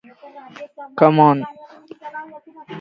The ink has five times more conductivity than a typical ink.